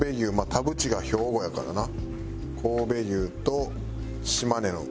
田渕が兵庫やからな。